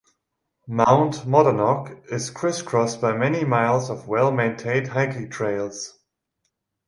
Mount Monadnock is criss-crossed by many miles of well-maintained hiking trails.